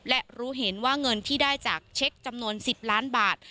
และรู้เห็นว่าเงินที่ได้จากเช็คจำนวน๑๐ล้านบาท